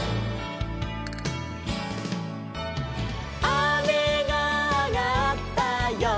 「あめがあがったよ」